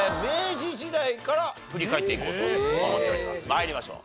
参りましょう。